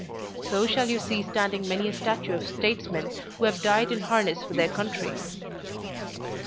So shall you see standing many a statue of statesmen who have died in harness for their country.